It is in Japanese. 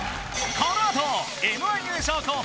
このあとＭ−１優勝候補